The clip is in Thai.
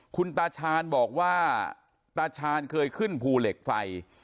คุณตาชาญบอกว่าตาชาญเคยขึ้นภูเหล็กไฟ